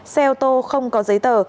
xe ô tô không có giấy tờ